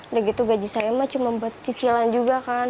udah gitu gaji saya mah cuma buat cicilan juga kan